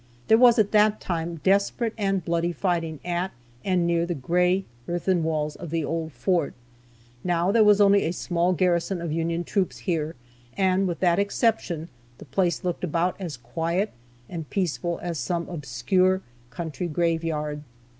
There was, at that time, desperate and bloody fighting at and near the gray earthen walls of the old fort. Now there was only a small garrison of Union troops here, and with that exception, the place looked about as quiet and peaceful as some obscure country graveyard.